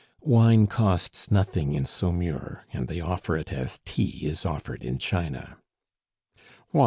(Wine costs nothing in Saumur, and they offer it as tea is offered in China.) "Why!"